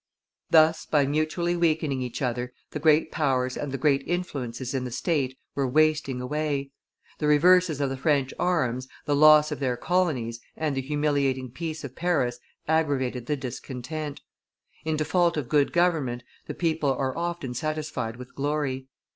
Thus, by mutually weakening each other, the great powers and the great influences in the state were wasting away; the reverses of the French arms, the loss of their colonies, and the humiliating peace of Paris aggravated the discontent. In default of good government the people are often satisfied with glory.